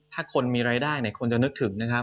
ถ้าคนมีรายได้คนจะนึกถึงนะครับ